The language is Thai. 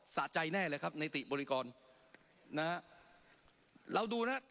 สะใจแน่เลยครับในติบริกรนะฮะเราดูนะฮะ